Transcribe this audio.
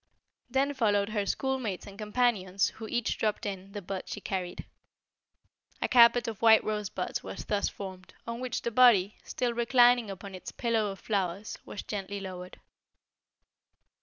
Then followed her schoolmates and companions who each dropped in the bud she carried. A carpet of white rosebuds was thus formed, on which the body, still reclining upon its pillow of flowers, was gently lowered.